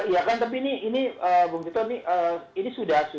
iya kan tapi ini bung tito ini sudah